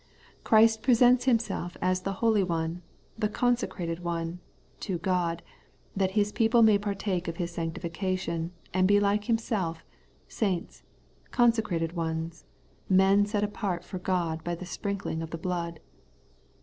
Christ presents Himself as the Holy One, the Con secrated One, to God, that His people may partake of His sanctification, and be like Himself, saints, consecrated ones, men set apart for God by the sprinkling of the blood.